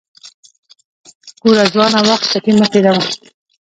ګوره ځوانه وخت چټي مه تیروه